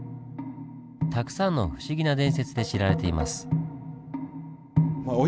たくさんの不思議な伝説で知られています。